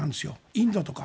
インドとか。